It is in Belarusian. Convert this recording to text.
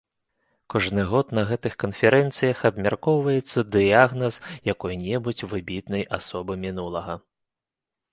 Кожны год на гэтых канферэнцыях абмяркоўваецца дыягназ якой-небудзь выбітнай асобы мінулага.